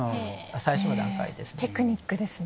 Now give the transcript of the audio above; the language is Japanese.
最初の段階ですね。